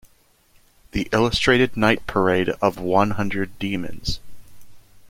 "The Illustrated Night Parade of One Hundred Demons".